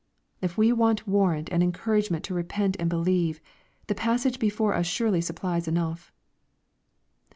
If we want warrant and encouragement to repent and believe, the passage before us surely supplies enough.